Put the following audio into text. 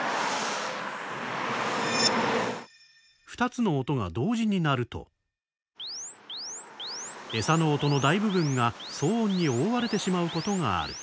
２つの音が同時に鳴るとエサの音の大部分が騒音に覆われてしまうことがある。